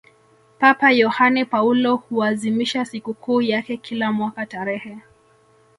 papa yohane paulo huazimisha sikukuu yake kila mwaka tarehe